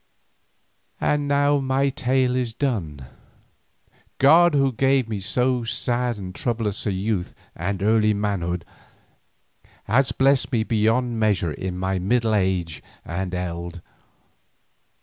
And now my tale is done. God who gave me so sad and troublous a youth and early manhood, has blessed me beyond measure in my middle age and eld.